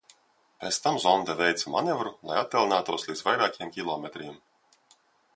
Pēc tam zonde veica manevru, lai attālinātos līdz vairākiem kilometriem.